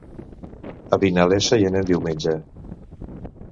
A Vinalesa hi anem diumenge.